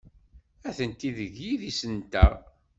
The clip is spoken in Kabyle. Atenti seg yidis-nteɣ.